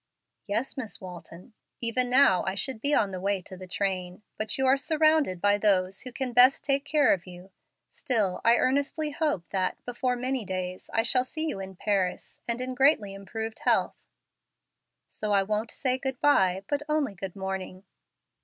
"Yes, Miss Walton, even now I should be on the way to the train. But you are surrounded by those who can best take care of you. Still I earnestly hope that, before many days, I shall see you in Paris, and in greatly improved health. So I won't say good by, but only good morning."